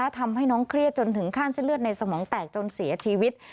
ทำให้น้องเครียดจนถึงขั้นเส้นเลือดในสมองแตกจนเสียชีวิต